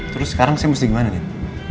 terus sekarang saya mesti gimana nih